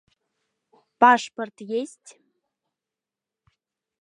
Пашпорт есть?